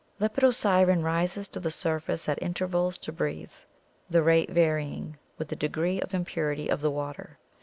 Lepidosiren rises to the surface at intervals to breathe, the rate varying with the degree of impurity of the water.